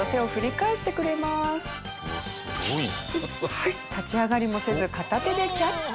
はい立ち上がりもせず片手でキャッチ。